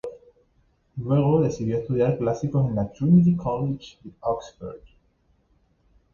Luego decidió estudiar Clásicos en la Trinity College de Oxford.